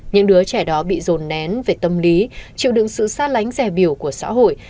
những đứa trẻ đó bị rồn nén về tâm lý chịu đựng sự xa lánh rẻ biểu của xã hội